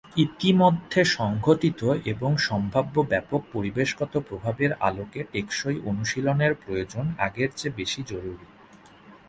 ইতোমধ্যে সংঘটিত এবং সম্ভাব্য ব্যাপক পরিবেশগত প্রভাবের আলোকে টেকসই অনুশীলনের প্রয়োজন আগের চেয়ে বেশি জরুরি।